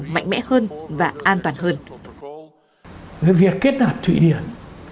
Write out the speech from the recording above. mạnh mẽ hơn và an toàn hơn